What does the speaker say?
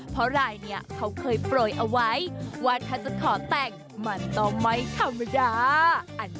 เพราะรายนี้เขาเคยโปรยเอาไว้ว่าถ้าจะขอแต่งมันต้องไม่ธรรมดา